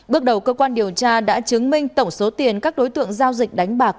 bước đầu cơ quan điều tra đã chứng minh tổng số tiền các đối tượng giao dịch đánh bạc